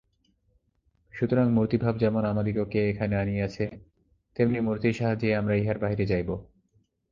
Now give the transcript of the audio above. সুতরাং মূর্তিভাব যেমন আমাদিগকে এখানে আনিয়াছে, তেমনি মূর্তির সাহায্যেই আমরা ইহার বাহিরে যাইব।